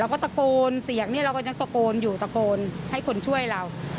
ก็ตะโกนอยู่ตะโกนให้คนช่วยเรา